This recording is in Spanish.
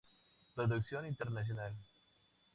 Producción internacional.